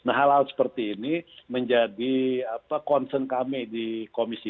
nah ini juga seperti ini menjadi concern kami di komisi dua